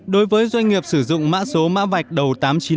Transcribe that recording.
đối với doanh nghiệp sử dụng mã số mã vạch đầu tám trăm chín mươi